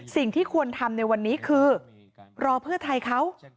สิ่งที่ควรทำในวันนี้คือรอเพื่อไทยเขา